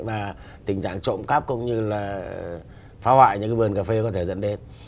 và tình trạng trộm cắp cũng như là phá hoại những cái vườn cà phê có thể dẫn đến